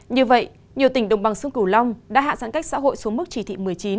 như vậy nhiều tỉnh đồng bằng sông cửu long đã hạ giãn cách xã hội xuống mức chỉ thị một mươi chín